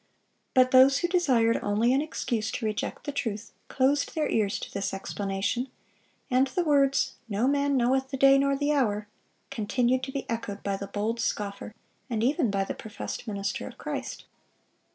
But those who desired only an excuse to reject the truth closed their ears to this explanation; and the words, "No man knoweth the day nor the hour," continued to be echoed by the bold scoffer, and even by the professed minister of Christ.